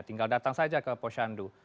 tinggal datang saja ke posyandu